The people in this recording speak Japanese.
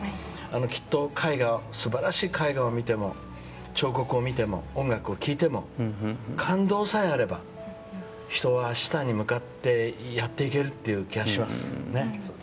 きっと素晴らしい絵画を見ても彫刻を見ても音楽を聴いても感動さえあれば人は明日に向かってやっていける気がします。